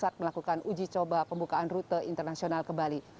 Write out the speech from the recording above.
dan uji coba pembukaan rute internasional ke bali